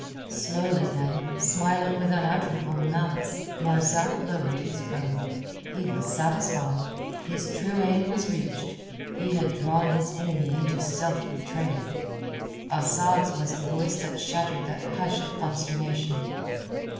Slowly then, smiling with unutterable malice, Marzak lowered his bow. He was satisfied. His true aim was reached. He had drawn his enemy into self betrayal. Asad's was the voice that shattered that hush of consternation.